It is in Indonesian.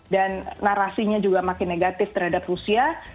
dan narasinya juga makin negatif terhadap rusia